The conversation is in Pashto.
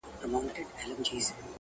د زلفو تار يې د سپين مخ پر دايره راڅرخی’